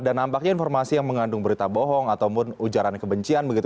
dan nampaknya informasi yang mengandung berita bohong ataupun ujaran kebencian begitu